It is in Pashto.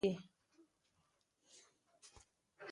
د رنګ اشباع اصطلاح د رنګ ځواک ته ویل کېږي.